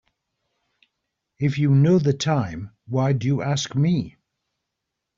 If you know the time why do you ask me?